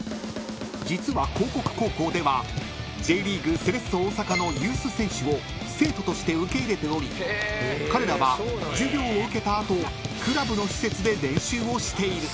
［実は興國高校ではＪリーグセレッソ大阪のユース選手を生徒として受け入れており彼らは授業を受けた後クラブの施設で練習をしている］